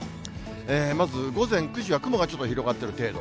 まず午前９時は雲がちょっと広がってる程度。